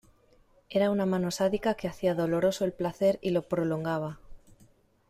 era una mano sádica que hacía doloroso el placer y lo prolongaba.